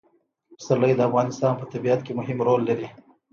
پسرلی د افغانستان په طبیعت کې مهم رول لري.